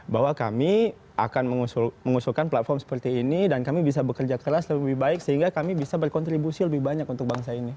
bahwa kami akan mengusulkan platform seperti ini dan kami bisa bekerja keras lebih baik sehingga kami bisa berkontribusi lebih banyak untuk bangsa ini